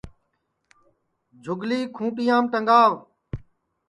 جھُگلی کھُونٚٹِیام ٹگاو